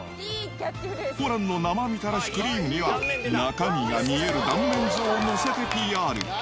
ホランの生みたらしクリームには、中身が見える断面図を載せてＰＲ。